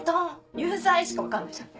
有罪！」しか分かんないじゃん。